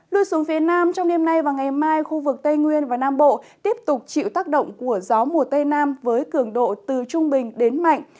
lui xuống phía nam trong đêm nay và ngày mai khu vực tây nguyên và nam bộ tiếp tục chịu tác động của gió mùa tây nam với cường độ từ trung bình đến mạnh